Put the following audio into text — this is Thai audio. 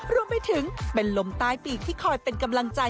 รวมไปถึงเป็นลมใต้ปีกที่คอยเป็นกำลังใจ